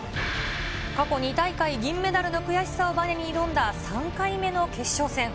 過去２大会銀メダルの悔しさをばねに挑んだ３回目の決勝戦。